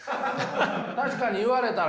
確かに言われたら。